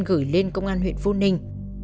gửi lên công an huyện phu ninh